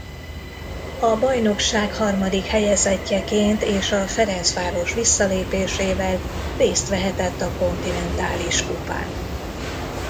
A bajnokság harmadik helyezettjeként és a Ferencváros visszalépésével részt vehetett a Kontinentális Kupán.